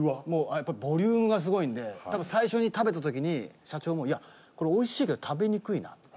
やっぱボリュームがすごいんで多分最初に食べた時に社長もいやこれ美味しいけど食べにくいな。